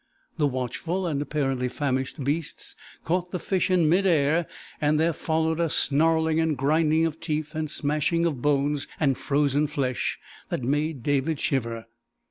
The watchful and apparently famished beasts caught the fish in mid air, and there followed a snarling and grinding of teeth and smashing of bones and frozen flesh that made David shiver.